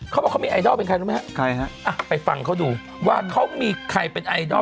เขาบอกเขามีไอดอลเป็นใครรู้ไหมฮะใครฮะอ่ะไปฟังเขาดูว่าเขามีใครเป็นไอดอล